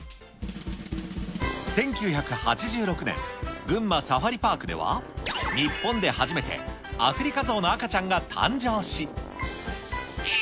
１９８６年、群馬サファリパークでは、日本で初めて、アフリカゾウの赤ちゃんが誕生し。